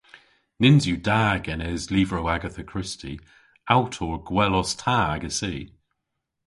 Nyns yw da genes lyvrow Agatha Christie. Awtour gwell os ta agessi!